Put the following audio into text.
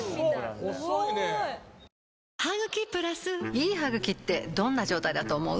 いい歯ぐきってどんな状態だと思う？